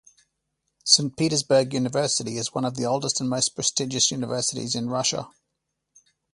St Petersburg University is one of the oldest and most prestigious universities in Russia.